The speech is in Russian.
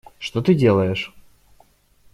Что ты делаешь?